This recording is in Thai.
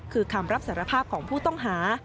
คือคำรับสารภาพของผู้ต้องหา